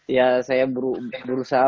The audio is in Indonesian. ya saya berusaha